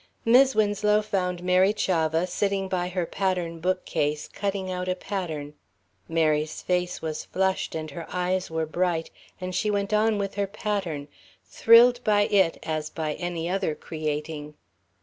Mis' Winslow found Mary Chavah sitting by her pattern bookcase, cutting out a pattern. Mary's face was flushed and her eyes were bright, and she went on with her pattern, thrilled by it as by any other creating.